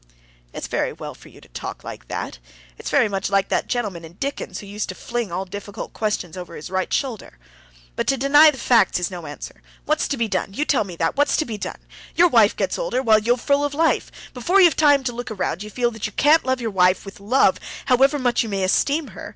"It's very well for you to talk like that; it's very much like that gentleman in Dickens who used to fling all difficult questions over his right shoulder. But to deny the facts is no answer. What's to be done—you tell me that, what's to be done? Your wife gets older, while you're full of life. Before you've time to look round, you feel that you can't love your wife with love, however much you may esteem her.